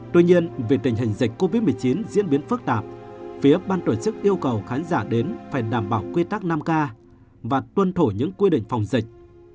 tuy nhiên vì tình hình dịch covid một mươi chín diễn biến phức tạp phía ban tổ chức yêu cầu khán giả đến phải đảm bảo quy tắc năm k và tuân thủ những quy định phòng dịch